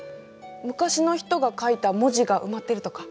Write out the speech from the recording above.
昔の人が書いた文字が埋まってるとか？